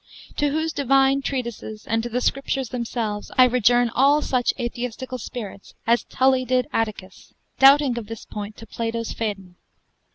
To whose divine treatises, and to the Scriptures themselves, I rejourn all such atheistical spirits, as Tully did Atticus, doubting of this point, to Plato's Phaedon.